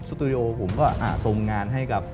ตูดิโอผมก็ทรงงานให้กับ